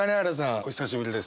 お久しぶりです。